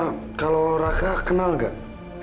nah kalau raka kenal gak